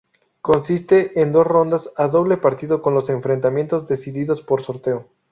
Consistente en dos rondas a doble partido con los enfrentamientos decididos por sorteo.